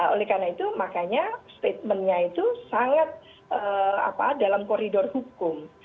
oleh karena itu makanya statementnya itu sangat dalam koridor hukum